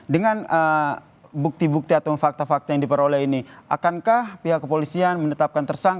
dengan bukti bukti atau fakta fakta yang diperoleh ini akankah pihak kepolisian menetapkan tersangka